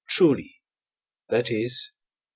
truly that is (I.